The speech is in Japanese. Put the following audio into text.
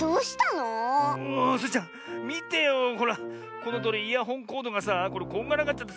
このとおりイヤホンコードがさこんがらがっちゃってさ